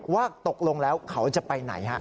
ว่าตกลงแล้วเขาจะไปไหน